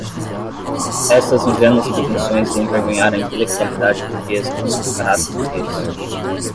Estas ingênuas pretensões de envergonhar a intelectualidade burguesa por seu caráter burguês